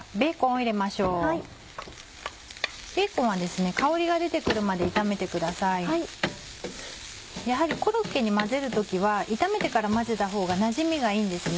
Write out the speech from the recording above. やはりコロッケに混ぜる時は炒めてから混ぜたほうがなじみがいいんですね。